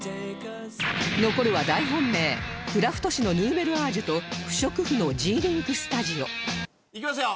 残るは大本命クラフト紙のヌーベルアージュと不織布のジーリンクスタジオいきますよ。